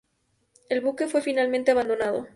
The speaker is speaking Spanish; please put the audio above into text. El buque fue finalmente abandonado.